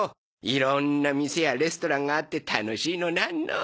いろんな店やレストランがあって楽しいのなんの。